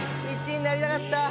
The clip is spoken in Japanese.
１位になりたかった。